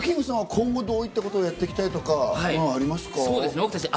今後どういったことをやっていきたいとかありますか？